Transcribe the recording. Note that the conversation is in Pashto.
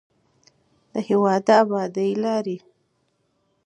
د هېواد د ابادۍ لارې